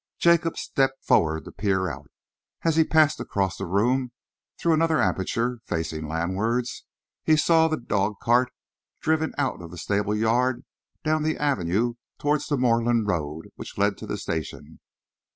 Jacob stepped forward to peer out. As he passed across the room, through another aperture, facing landwards, he saw the dogcart driven out of the stable yard, down the avenue, towards the moorland road which led to the station.